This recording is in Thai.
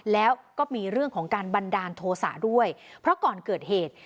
แล้วก็มีเรื่องของการบันดาลโทษะด้วยเพราะก่อนเกิดเหตุ